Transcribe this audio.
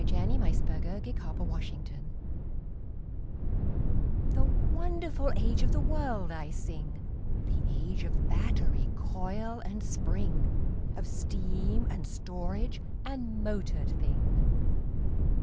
THE AGE OF MOTORED THINGS The wonderful age of the world I sing— The age of battery, coil and spring, Of steam, and storage, and motored thing.